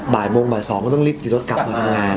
บ่ายโมงบ่าย๒ก็ต้องรีบขี่รถกลับมาทำงาน